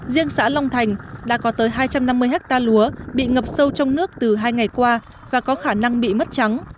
riêng xã long thành đã có tới hai trăm năm mươi hectare lúa bị ngập sâu trong nước từ hai ngày qua và có khả năng bị mất trắng